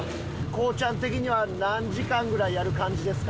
コウちゃん的には何時間ぐらいやる感じですか？